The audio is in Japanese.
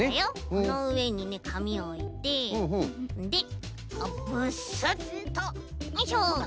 このうえにねかみおいてでブスッとよいしょ。